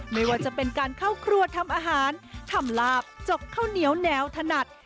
ไม่ว่าจะเป็นการเข้าครัวทำอาหารทำลาบจกข้าวเหนียวแนวถนัด